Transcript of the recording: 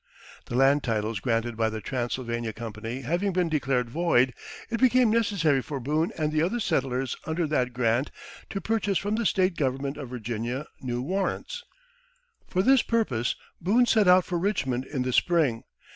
The land titles granted by the Transylvania Company having been declared void, it became necessary for Boone and the other settlers under that grant to purchase from the State government of Virginia new warrants. For this purpose Boone set out for Richmond in the spring.